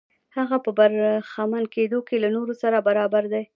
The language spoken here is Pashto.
هغه په برخمن کېدو کې له نورو سره برابر دی.